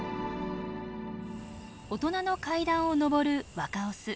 大人の階段をのぼる若オス。